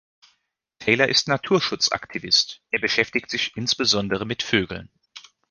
Taylor ist Naturschutzaktivist. Er beschäftigt sich insbesondere mit Vögeln.